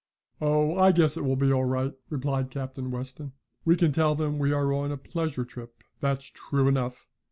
"Oh, I guess it will be all right," replied Captain Weston. "We can tell them we are on a pleasure trip. That's true enough.